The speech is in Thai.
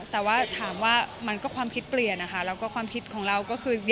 แต่ว่าถามว่ามันก็ความคิดเปลี่ยนนะคะแล้วก็ความคิดของเราก็คือ